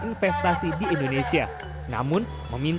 kami juga mencari kelebihan dari para istri dan para pengusaha ini